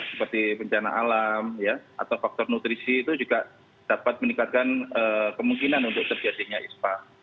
seperti bencana alam atau faktor nutrisi itu juga dapat meningkatkan kemungkinan untuk terjadinya ispa